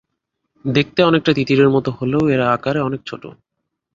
দেখতে অনেকটা তিতিরের মত হলেও এরা আকারে অনেক ছোট।